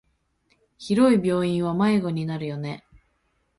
広い病院は迷子になるよね。